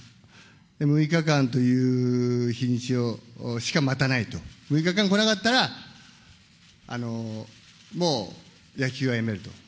で、６日間という日にちしか待たないと、６日間来なかったら、もう野球はやめると。